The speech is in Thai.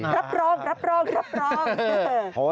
รับรอง